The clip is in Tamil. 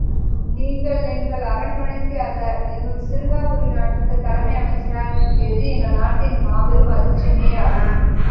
நீங்கள், எங்கள் அரண்மனைக்கு அல்ல, எங்கள் சிருங்காரபுரி நாட்டுக்குத் தலைமை அமைச்சராகக் கிட்டியது எங்கள் நாட்டின் மாபெரும் அதிர்ஷ்டமேயாகும்!